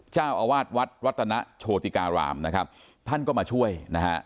เจ้าอาวาสวัดรัตนโชติการามนะครับท่านก็มาช่วยนะฮะ